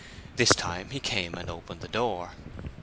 This time he came and opened the door.